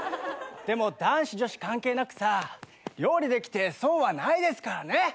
でも男子女子関係なくさ料理できて損はないですからね。